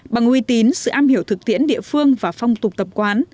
bằng uy tín sự am hiểu thực tiễn địa phương và phong tục tập quán